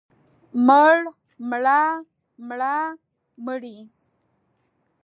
مړ، مړه، مړه، مړې.